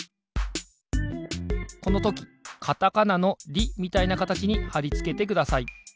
このときかたかなの「リ」みたいなかたちにはりつけてください。